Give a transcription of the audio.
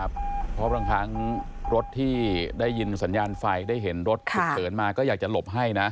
เพราะบางครั้งรถที่ได้ยินสัญญาณไฟได้เห็นรถฉุกเฉินมาก็อยากจะหลบให้นะ